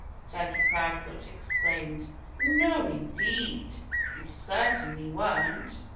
Turkey Proudfoot exclaimed. "No, indeed! You certainly weren't."